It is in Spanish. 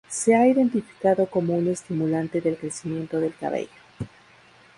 Se ha identificado como un estimulante del crecimiento del cabello.